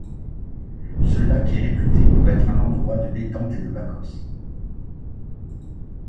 Ce lac est réputé pour être un endroit de détente et de vacances.